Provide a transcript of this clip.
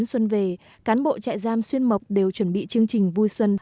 xuân về cán bộ trại giam xuyên mộc đều chuẩn bị chương trình vui xuân